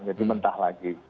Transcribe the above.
jadi mentah lagi